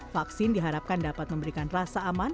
vaksin diharapkan dapat memberikan rasa aman